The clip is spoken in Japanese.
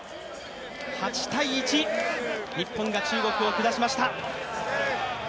８−１、日本が中国を下しました。